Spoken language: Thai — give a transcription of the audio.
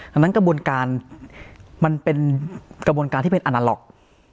ดังนั้นกระบวนการมันเป็นกระบวนการที่เป็นอนาล็อก